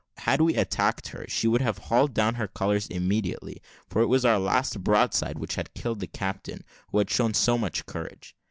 Had we attacked her, she would have hauled down her colours immediately, for it was our last broadside which had killed the captain, who had shown so much courage.